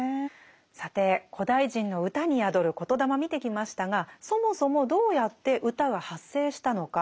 さて古代人の歌に宿る言霊見てきましたがそもそもどうやって歌が発生したのか。